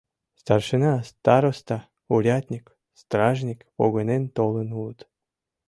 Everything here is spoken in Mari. Старшина, староста, урядник, стражник погынен толын улыт.